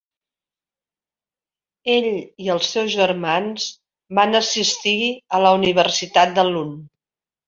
Ell i els seus germans van assistir a la Universitat de Lund.